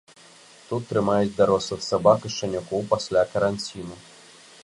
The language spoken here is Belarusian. Тут трымаюць дарослых сабак і шчанюкоў пасля каранціну.